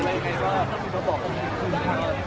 แต่งหน่าไปอย่างนี้